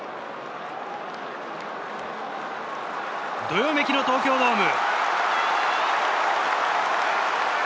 どよめきの東京ドーム。